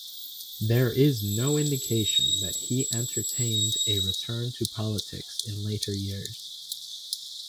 There is no indication that he entertained a return to politics in later years.